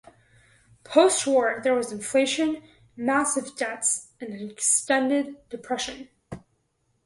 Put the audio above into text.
Post-war there was inflation, massive debts and an extended depression.